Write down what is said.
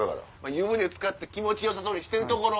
湯船漬かって気持ち良さそうにしてるところ。